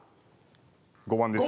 ５番です。